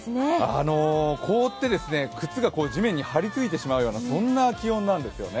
凍って靴が地面に張りついてしまうような気温なんですよね。